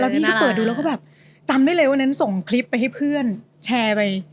พี่ก็เปิดดูแล้วก็แบบจำได้เลยวันนั้นส่งคลิปไปให้เพื่อนแชร์ไป